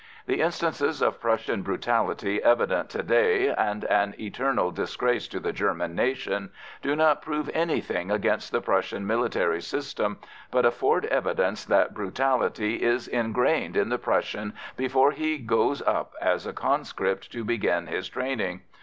The instances of Prussian brutality evident to day, and an eternal disgrace to the German nation, do not prove anything against the Prussian military system, but afford evidence that brutality is ingrained in the Prussian before he goes up as a conscript to begin his training.